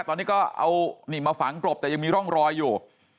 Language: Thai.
ตอนนี้ก็เอานี่มาฝังกลบแต่ยังมีร่องรอยอยู่